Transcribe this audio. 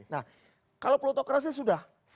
nah kalau plotokrasi sudah